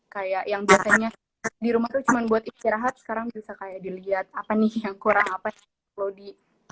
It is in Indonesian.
kayak yang biasanya di rumah tuh cuma buat istirahat sekarang bisa kayak dilihat apa nih yang kurang apa yang lodi